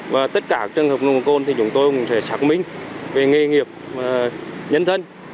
và tất cả trường hợp nồng độ cồn thì chúng tôi cũng sẽ xác minh về nghề nghiệp nhân thân